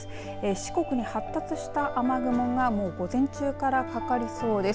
四国に発達した雨雲がもう午前中からかかりそうです。